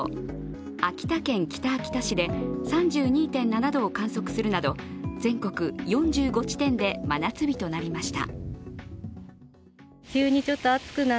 秋田県北秋田市で３２．７度を記録するなど全国４５地点で真夏日となりました。